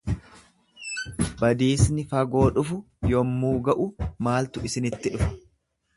Badiisni fagoo dhufu yommuu ga'u maaltu isinitti dhufa?